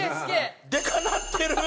でかなってる！